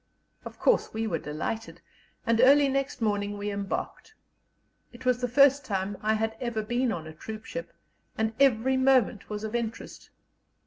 Of course we were delighted, and early next morning we embarked. It was the first time I had ever been on a troopship, and every moment was of interest.